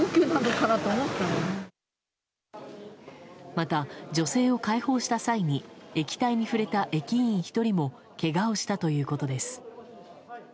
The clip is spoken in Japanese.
また女性を介抱した際に液体に触れた駅員１人もけがをしたということです。